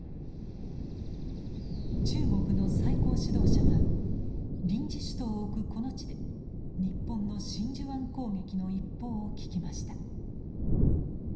中国の最高指導者が臨時首都を置くこの地で日本の真珠湾攻撃の一報を聞きました。